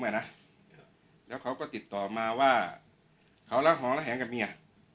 อ่ะนะแล้วเขาก็ติดต่อมาว่าเขาละหอละแหหนกับเมีย